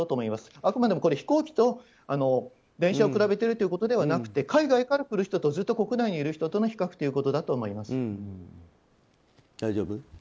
あくまでも飛行機と電車を比べているということではなくて海外から来る人とずっと国内にいる人の大丈夫？